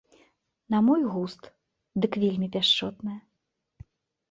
На мой густ, дык вельмі пяшчотнае.